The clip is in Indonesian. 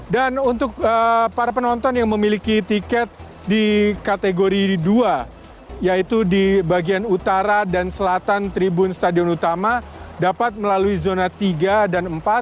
dan untuk para penonton yang memiliki tiket di kategori dua yaitu di bagian utara dan selatan tribun stadion utama dapat melalui zona tiga dan empat